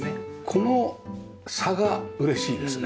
この差が嬉しいですね。